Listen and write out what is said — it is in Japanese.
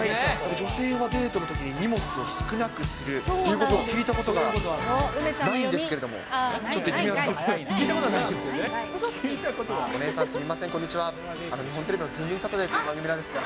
女性はデートのときに荷物を少なくするということを聞いたことはないんですけれども、ちょっと行ってみますか。